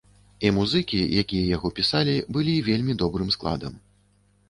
І музыкі, якія яго пісалі, былі вельмі добрым складам.